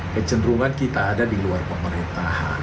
kecenderungan kita ada di luar pemerintahan